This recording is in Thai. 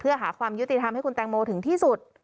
เพื่อหาความยุติธรรมให้คุณแตงโมถึงที่สุด